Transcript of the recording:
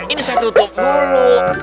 ini saya tutup dulu